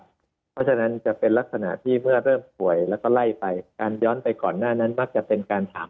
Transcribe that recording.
เพราะฉะนั้นจะเป็นลักษณะที่เมื่อเริ่มป่วยแล้วก็ไล่ไปการย้อนไปก่อนหน้านั้นมักจะเป็นการถาม